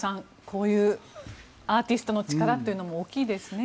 こういうアーティストの力というのも大きいですね。